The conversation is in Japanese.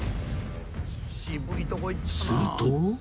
［すると］